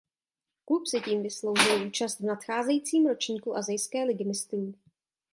Klub si tím vysloužil účast v nadcházejícím ročníku asijské ligy mistrů.